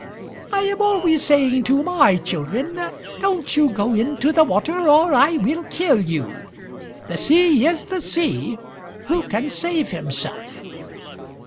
"I am always saying to my children, 'Don't you go into the water, or I will kill you!' The sea is the sea. Who can save himself?"